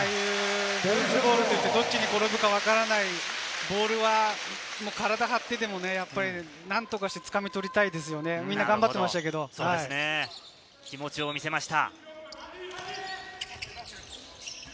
ルーズボールと言ってどっちに転ぶか分からないボールは体を張ってでも、何とかしてもつかみ取りたいですよね、みんなが頑張っていましたけど気持ちを見せました。